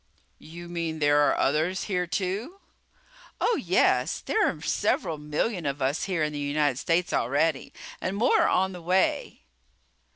"You mean there are others here, too?" "Oh, yes, there are several million of us here in the United States already and more are on the way."